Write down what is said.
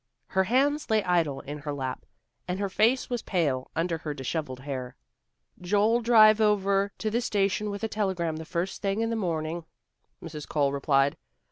Her hands lay idle in her lap, and her face was pale, under her dishevelled hair. "Joe'll drive over to the station with a telegram the first thing in the morning," Mrs. Cole replied.